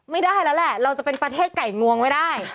ไม่ได้แล้วแหละเราจะเป็นประเทศไก่งวงไม่ได้